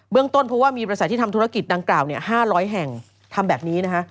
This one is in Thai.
เบื้องต้นเพราะว่ามีเมื่อใส่ที่ทำธุรกิจนางกล่าวนี่๕๐๐แห่งทำแบบนี้นะคะ